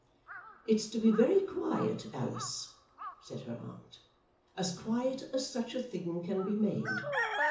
"It's to be very quiet, Alice," said her aunt; "as quiet as such a thing can be made.